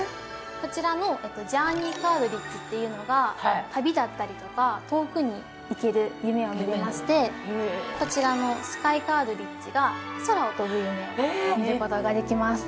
こちらのジャーニーカートリッジっていうのが旅だったりとか遠くに行ける夢を見れましてこちらのスカイカートリッジが空を飛ぶ夢を見る事ができます。